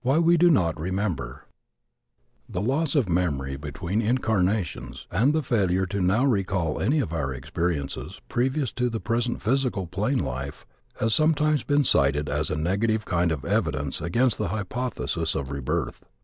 WHY WE DO NOT REMEMBER The loss of memory between incarnations and the failure to now recall any of our experiences previous to the present physical plane life has sometimes been cited as a negative kind of evidence against the hypothesis of rebirth.